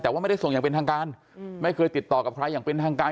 แต่ว่าไม่ได้ส่งอย่างเป็นทางการไม่เคยติดต่อกับใครอย่างเป็นทางการ